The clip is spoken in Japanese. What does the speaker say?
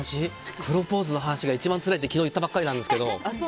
プロポーズの話が一番つらいって昨日言ったばかりなんですけど。